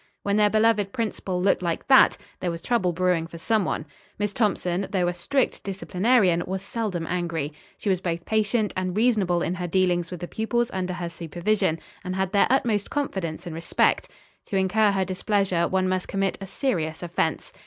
When their beloved principal looked like that, there was trouble brewing for some one. Miss Thompson, though a strict disciplinarian, was seldom angry. She was both patient and reasonable in her dealings with the pupils under her supervision, and had their utmost confidence and respect. To incur her displeasure one must commit a serious offense.